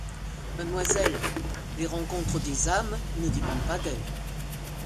Mademoiselle, les rencontres des âmes ne dépendent pas d’elles.